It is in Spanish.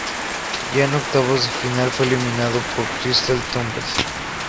Ya en octavos de final fue eliminado por Cristal Tumbes.